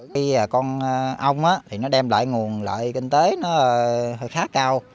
còn con ong thì nó đem lại nguồn lợi kinh tế nó khá cao